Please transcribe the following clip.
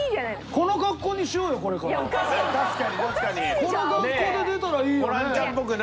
この格好で出たらいいよね。